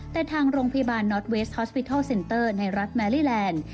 แต่ทางโรงพยาบาลนอทเวสฮอสปิทัลเซ็นเตอร์ในรัฐแมลี่แลนด์